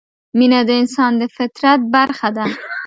مینه د انسان د فطرت برخه ده.